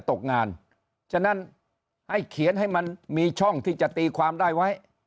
ตกงานฉะนั้นให้เขียนให้มันมีช่องที่จะตีความได้ไว้